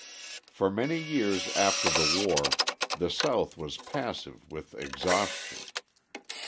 For many years after the war the South was passive with exhaustion.